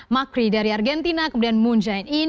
makri dari argentina kemudian moon jae in